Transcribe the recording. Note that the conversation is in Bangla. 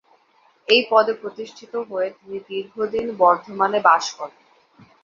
এই পদে প্রতিষ্ঠিত হয়ে তিনি দীর্ঘদিন বর্ধমানে বাস করেন।